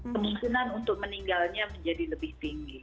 kemungkinan untuk meninggalnya menjadi lebih tinggi